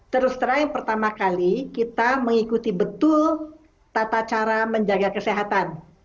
terus terang pertama kali kita mengikuti betul tata cara menjaga kesehatan